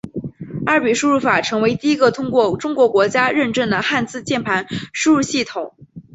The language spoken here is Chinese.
二笔输入法成为第一个通过中国国家认证的汉字键盘输入系统。